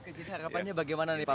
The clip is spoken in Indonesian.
oke jadi harapannya bagaimana nih pak